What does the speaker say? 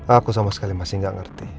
aku sama sekali masih gak ngerti